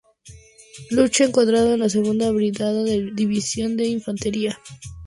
Lucha encuadrado en la segunda brigada de la división de infantería del primer cuerpo.